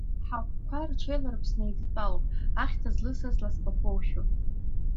Ҳагәқәа рҽеиларԥсны еидтәалоуп, ахьҭа злысыз ласбақәоушәа!